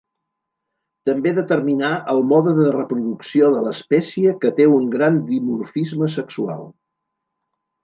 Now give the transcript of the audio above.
També determinà el mode de reproducció de l'espècie que té un gran dimorfisme sexual.